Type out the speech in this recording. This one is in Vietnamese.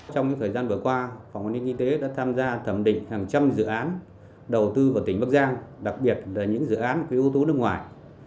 trong thời gian vừa qua phòng an ninh y tế đã tham gia thẩm định hàng trăm dự án đầu tư vào tỉnh bắc giang đặc biệt là những dự án ưu tố nước ngoài